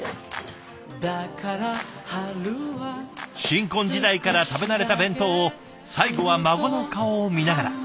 新婚時代から食べ慣れた弁当を最後は孫の顔を見ながら。